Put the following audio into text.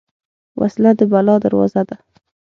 وسله د بلا دروازه ده